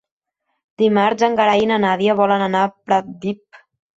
Dimarts en Gerai i na Nàdia volen anar a Pratdip.